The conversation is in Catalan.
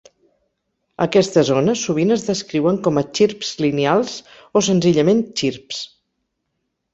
Aquestes ones sovint es descriuen com a xirps lineals o senzillament xirps.